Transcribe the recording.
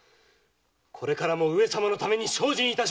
これからも上様のために精進いたします。